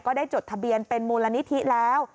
ได้จดทะเบียนเป็นมูลนิธิแล้ว